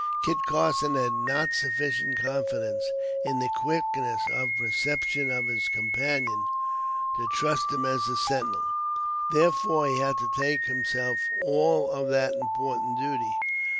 Kit Carson had not sufficient confidence in the quickness of perception of his companion to trust him as a sentinel, therefore, he had to take upon himself all of that important duty.